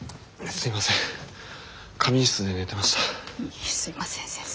すいません先生。